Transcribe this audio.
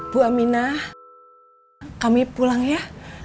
bu aminah kami pulang ya